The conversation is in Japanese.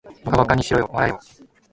馬鹿ばかにしろよ、笑わらえよ